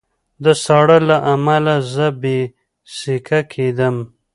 د ساړه له امله زه بې سېکه کېدم